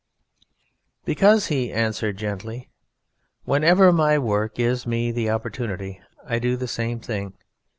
"Because," he answered gently, "whenever my work gives me the opportunity I do the same thing.